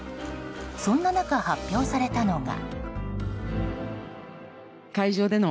そんな中、発表されたのが。